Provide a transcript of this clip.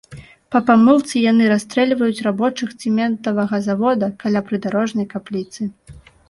Па памылцы яны расстрэльваюць рабочых цэментавага завода каля прыдарожнай капліцы.